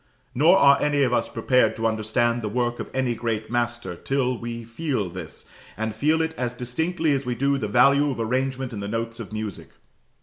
Nor are any of us prepared to understand the work of any great master, till we feel this, and feel it as distinctly as we do the value of arrangement in the notes of music.